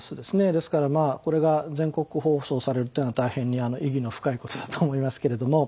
ですからこれが全国放送されるっていうのは大変に意義の深いことだと思いますけれども。